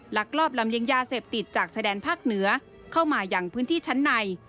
ลอบลำเลียงยาเสพติดจากชายแดนภาคเหนือเข้ามาอย่างพื้นที่ชั้นใน